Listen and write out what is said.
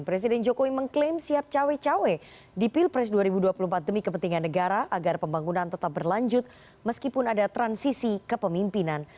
presiden jokowi mengklaim siap cawe cawe di pilpres dua ribu dua puluh empat demi kepentingan negara agar pembangunan tetap berlanjut meskipun ada transisi kepemimpinan